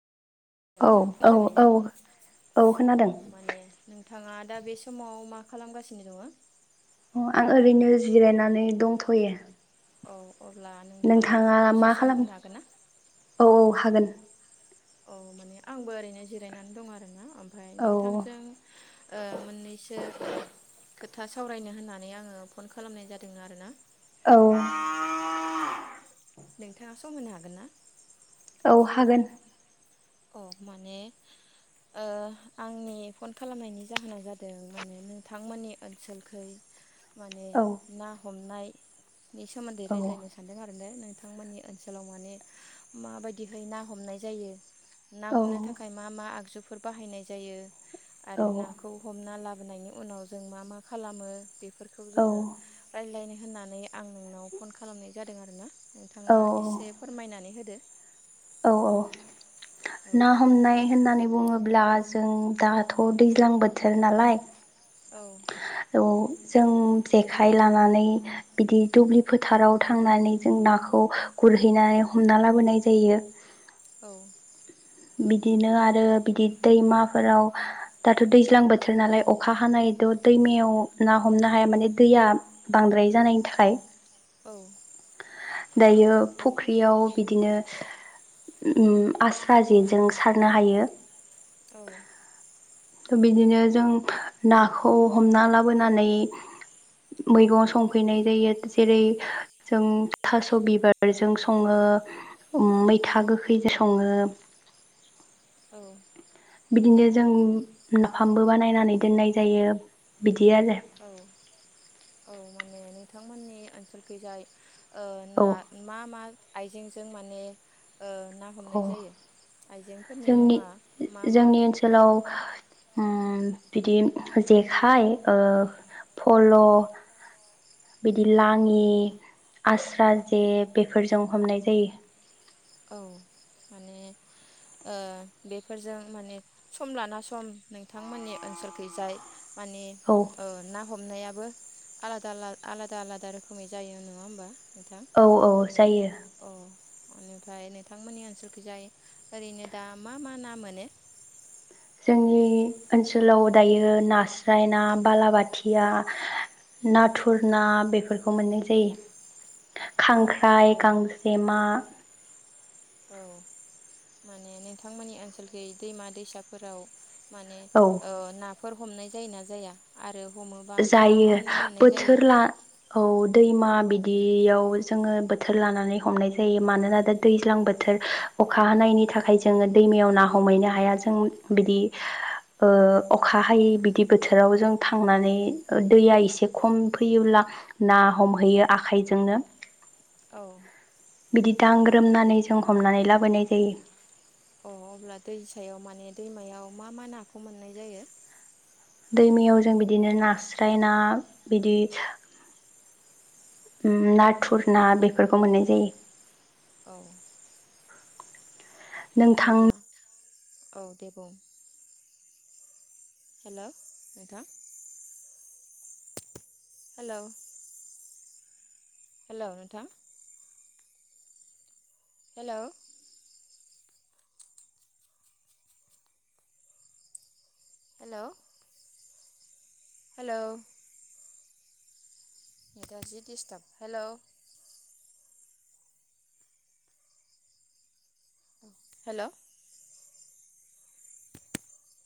औ नोंथां औ मोजाङैनो औ औ माने नोंथां नोंथाङा दा बे समाव मा खालामगासिनो दङो? अ आं ओरैनो जिरायनानै दंथ'यो। औ। अब्ला आंनो नोंथाङा दसे मा सम खालाम होनो हागोन ना? औ औ हागोन। औ माने आंबो ओरैनो जिरायनानै दं आरोना। ओमफ्राय औ नोंथांजों ओ मोननैसो ओ खोथा सावरायनो होननानै आङो फन खालामनाय जादों आरो ना। औ। नोंथाङा सम होनो हागोन ना? औ हागोन। अ माने ओ आंनि फन खालामनायनि जाहोना जादों माने नोंथांमोननि ओनसोलखै माने औ ना हमनाय नि सोमोन्दै औ रायज्लायनो सानदों आरो। नोंथांमोननि ओनसोलाव माने माबायदिहाय ना हमनाय जायो। ना हमनो औ थाखाय मा मा आगजुफोर बाहायनाय जायो। आरो नाखौ हमना ला लाबोनायनि उनाव जों मा मा खालामो बे फोरखौ औ जोङो रायज्लायनो होननानै आं नोंनाव फन खालामनाय जादों आरो ना। नोंथाङा औ एसे फोरमायनानै होदो। औ औ। औ ना हमनाय होननानै बुङोब्ला। ब्ला जों दाथ' दैज्लां बोथोर नालाय। औ। औ जों जेखाइ लानानै बिदि दुब्लि फोथाराव थांनानै जों नाखौ गुरहैनानै हमना लाबोनाय जायो। औ। बिदिनो आरो बिदि दैमाफोराव दाथ' दैज्लां बोथोर नालाय अखा हानायथ' दैमायाव ना हमनो हाया माने दैया बांद्राय जानायनि थाखाय। औ। दायो फुख्रियाव बिदिनो ओम आस्रा जेजों सारनो हायो। औ। बिदिनो जों नाखौ हमना लाबोनानै मैगं संफैनाय जायो जेरै- जों थास' बिबारजों सङो ओम मैथा। मैथा गोखैजों औ सङो। औ। बिदिनो जों नाफामबो बानायनानै दोननाय जायो बिदि। आरो औ-औ। माने नोंथांमोननि ओनसोलखि जाय। ओ ना औ मा-मा। आइजेंजों माने। ओ ना अ हमनाय जायो। आइजेंफोरनि मुङा मा-मा? ओम बिदि जेखाय ओ फल' बिदि लाङि, आस्रा जे बेफोरजों हमनाय जायो। औ माने ओ बेफोरजों माने सम लाना सम नोंथांमोननि ओनसोलखैजाय। माने औ ओ ना हमनायाबो। आलादा-आला-आलादा-आलादा रोखोमै जायो नङा होमबा? औ-औ जायो। अनेक। ओमफ्राय नोंथांमोननि ओनसोलखैजाय ओरैनो दा मा-मा ना मोनो? जोंनि ओनसोलाव दायो नास्राय ना, बालाबाथिया, नाथुर ना बेफोरखौ मोननाय जायो खांख्रा। फ्राइ औ गांजेमा। औ माने नोंथांमोननि ओनसोलखै दैमा-दैसाफोराव। माने औ ओ ना। बेफोर हमनाय जायो ना जाया? आरो। हमोबा मा मा जायो ना मोननाय जायो? बोथोर ला औ। दैमा बिदियाव जोङो बोथोर लानानै हमनाय जायो मानोना दा दैज्लां बोथोर अखा हानायनि थाखाय जोङो दैमायाव ना हमहैनो हाया जों बिदि ओ अखा हायै बिदि बोथोराव जों थांनानै‌। दैया एसे खम फैयोब्ला ना हमहैयो आखाइजोंनो औ बिदि दांग्रोमनानै जों हमनानै लाबोनाय जायो। अ अब्ला दै सायाव माने दैमायाव मा-मा नाखौ मोननाय जायो? दैमायाव जों बिदिनो नास्राय ना बिदि। नाथुर ना बेफोरखौ मोननाय जायो। औ। नोंथां अब्ला औ दे बुं हेलौ नोंथां हेलौ हेलौ नोंथां हेलौ हेलौ हेलौ नेटा जि दिस्टाब हेलौ हेलौ